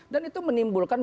dan itu menimbulkan